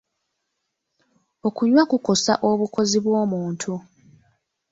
Okunywa kukosa obukozi bw'omuntu.